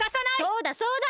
そうだそうだ！